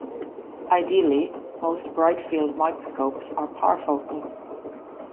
Ideally, most bright-field microscopes are parfocal.